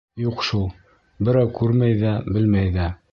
Юҡ шул, берәү күрмәй ҙә, белмәй ҙә.